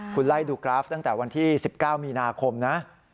คุณไล่ดูกราฟตั้งแต่วันที่๑๙มีนาคมนะ